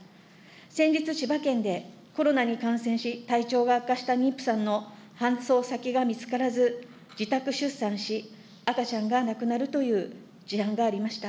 先日、千葉県でコロナに感染し、体調が悪化した妊婦さんの搬送先が見つからず、自宅出産し、赤ちゃんが亡くなるという事案がありました。